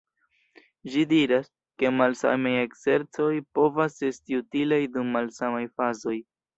Ĝi diras, ke malsamaj ekzercoj povas esti utilaj dum malsamaj fazoj.